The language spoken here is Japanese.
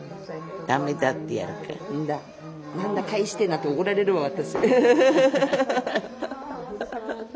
「何だ帰して」なんて怒られるわ私。